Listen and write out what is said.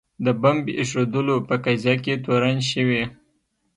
د بمب ایښودلو په قضیه کې تورن شوي.